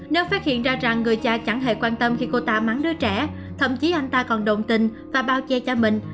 nếu phát hiện ra rằng người cha chẳng hề quan tâm khi cô ta mắng đứa trẻ thậm chí anh ta còn đồng tình và bao che cho mình